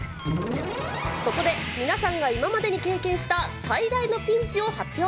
そこで、皆さんが今までに経験した最大のピンチを発表。